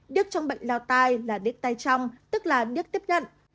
điếc trong bệnh lao tai là điếc tai trong tức là điếc tiếp nhận